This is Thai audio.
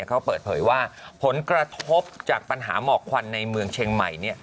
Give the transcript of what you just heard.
เขาเปิดเผยว่าผลกระทบจากปัญหาหมอกควันในเมืองเชียงใหม่